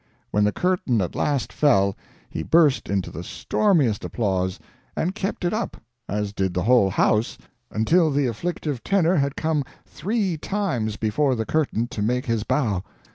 When the curtain at last fell, he burst into the stormiest applause, and kept it up as did the whole house until the afflictive tenor had come three times before the curtain to make his bow.